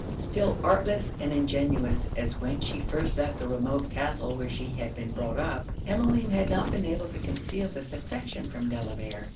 Still artless and ingenuous as when she first left the remote castle where she had been brought up, Emmeline had not been able to conceal this affection from Delamere.